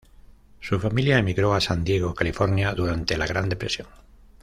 Su familia emigró a San Diego, California durante la Gran depresión.